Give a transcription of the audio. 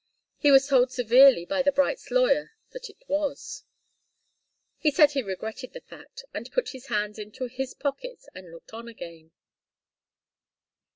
He was told severely, by the Brights' lawyer, that it was. He said he regretted the fact, and put his hands into his pockets and looked on again.